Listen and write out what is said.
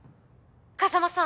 ⁉風真さん！